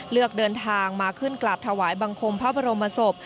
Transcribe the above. เลือกเดินทางมาขึ้นกราบถวายบังคมพระบรมศพ